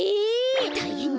たいへんだ！